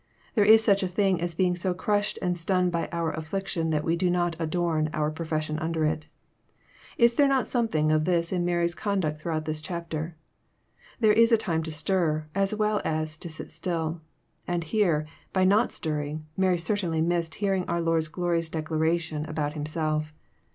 There Is such a thing as being so crushed and stunned by our affliction that we do not adorn our profession under it. Is there not something of this in Mary's conduct throughout this chapter? There is a time to stir, as well as to sit still ; and here, by not stirring, Mary cer tainly missed hearing our Lord's glorious declaration about Himself.